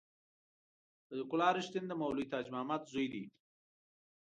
صدیق الله رښتین د مولوي تاج محمد زوی دی.